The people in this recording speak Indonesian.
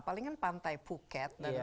paling kan pantai phuket